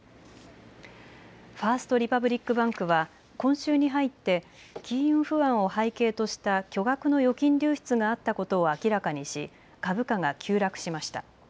ファースト・リパブリック・バンクは今週に入って金融不安を背景とした巨額の預金流出があったことを明らかにし株価が急落しました。